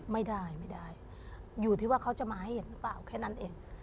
ไม่ได้ไม่ได้อยู่ที่ว่าเขาจะมาให้เห็นหรือเปล่าแค่นั้นเอง